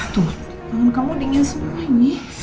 tuh tangan kamu dingin semua ini